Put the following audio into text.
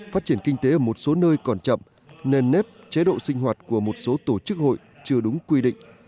phát triển kinh tế ở một số nơi còn chậm nền nếp chế độ sinh hoạt của một số tổ chức hội chưa đúng quy định